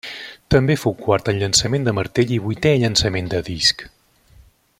També fou quart en llançament de martell i vuitè en llançament de disc.